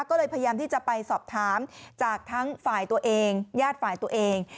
ก็เลยพยายามที่จะไปสอบถามจากทั้งฝ่ายตัวเองญาติฝ่ายตัวเอง